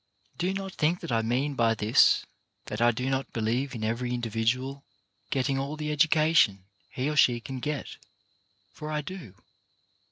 Do not think that I mean by this that I do not believe in every individual getting all the educa tion, he or she can get, — for I do.